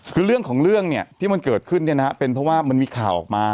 คือเรื่องของเรื่องเนี่ยที่มันเกิดขึ้นเนี่ยนะฮะเป็นเพราะว่ามันมีข่าวออกมา